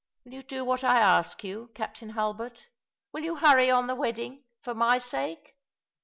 Will you do what I ask you. Captain Hulbert ? will you hurry on the wedding — for my Bake?"